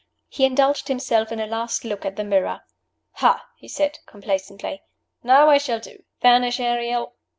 He indulged himself in a last look at the mirror. "Ha!" he said, complacently; "now I shall do. Vanish, Ariel!"